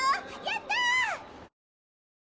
やった！